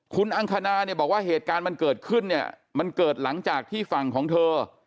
คุณอังคณาเนี่ยบอกว่าเหตุการณ์มันเกิดขึ้นเนี่ยมันเกิดหลังจากที่ฝั่งของเธอ